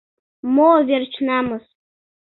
Мо верч намыс...